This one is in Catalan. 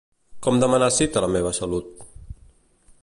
Com demanar cita a La meva salut?